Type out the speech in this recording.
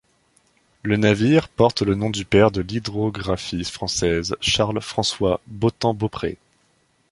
Le navire porte le nom du père de l’hydrographie française Charles-François Beautemps-Beaupré.